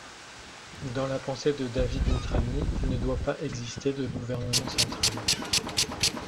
Dans la pensée de David Mitrany, il ne doit pas exister de gouvernement central.